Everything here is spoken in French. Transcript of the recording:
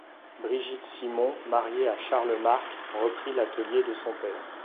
Brigitte Simon, mariée à Charles Marq, reprit l'atelier de son père.